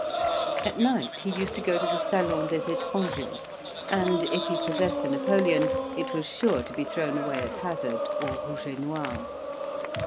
At night he used to go to the Salon des Etrangers; and, if he possessed a Napoleon, it was sure to be thrown away at hazard, or rouge et noir.